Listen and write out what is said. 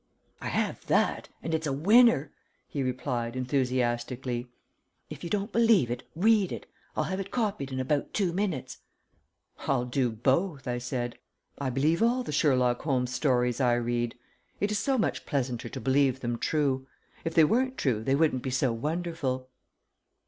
"I have that, and it's a winner," he replied, enthusiastically. "If you don't believe it, read it. I'll have it copied in about two minutes." "I'll do both," I said. "I believe all the Sherlock Holmes stories I read. It is so much pleasanter to believe them true. If they weren't true they wouldn't be so wonderful."